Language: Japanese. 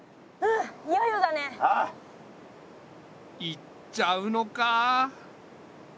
行っちゃうのか。